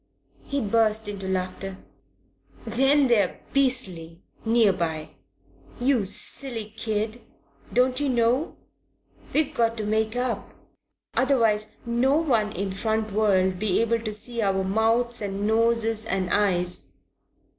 He burst into laughter. "Then they're beastly, near by! You silly kid, don't you know? We've got to make up, otherwise no one in front would be able to see our mouths and noses and eyes.